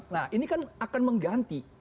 nah ini kan akan mengganti